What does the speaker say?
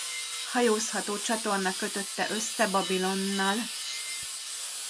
Hajózható csatorna kötötte össze Babilonnal.